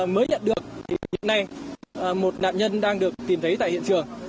mới nhận được hiện nay một nạn nhân đang được tìm thấy tại hiện trường